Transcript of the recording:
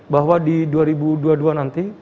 bahwa di dua ribu dua puluh dua nanti